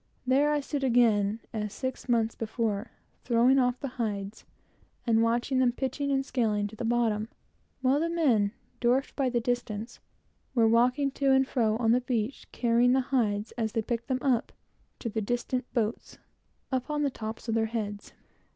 There I stood again, as six months before, throwing off the hides, and watching them, pitching and scaling, to the bottom, while the men, dwarfed by the distance, were walking to and fro on the beach, carrying the hides, as they picked them up, to the distant boats, upon the tops of their heads.